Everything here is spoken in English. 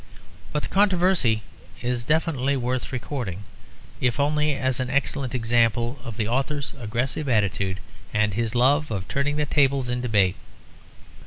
But the controversy is definitely worth recording, if only as an excellent example of the author's aggressive attitude and his love of turning the tables in debate.